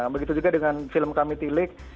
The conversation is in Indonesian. begitu juga dengan film kami tilik